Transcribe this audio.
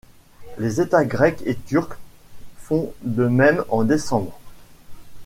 Les États grec et turc font de même en décembre.